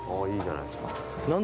いいじゃないですか。